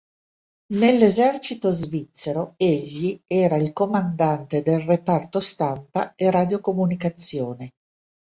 Nell'esercito svizzero egli era il comandante del reparto stampa e radiocomunicazione.